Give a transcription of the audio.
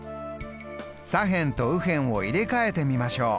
左辺と右辺を入れ替えてみましょう。